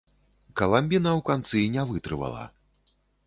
Каламбіна ў канцы не вытрывала.